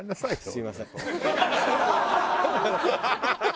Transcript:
すみません。